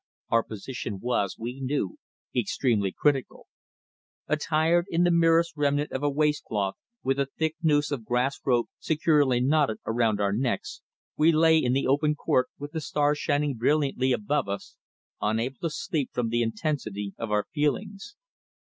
Our position was, we knew, extremely critical. Attired in the merest remnant of a waist cloth, with a thick noose of grass rope securely knotted around our necks, we lay in the open court with the stars shining brilliantly above us, unable to sleep from the intensity of our feelings.